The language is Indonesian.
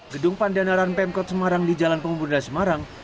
gedung pandanaran pemkot semarang di jalan pemuda semarang